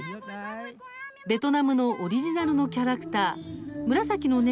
ベトナムのオリジナルのキャラクター紫の猫